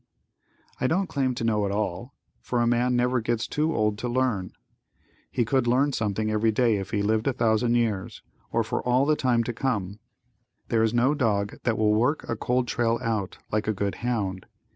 I don't claim to know it all, for a man never gets too old to learn. He could learn something every day if he lived a thousand years, or for all time to come. There is no dog that will work a cold trail out like a good hound.